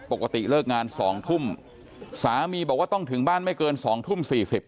ปกติเลิกงาน๒ทุ่มสามีบอกว่าต้องถึงบ้านไม่เกิน๒ทุ่ม๔๐